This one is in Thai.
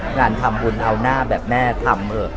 งานทำบุญเอาหน้าแบบแม่ทำเถอะ